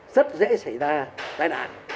rất dễ xảy ra tai đạn